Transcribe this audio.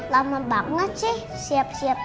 lama banget sih siap siap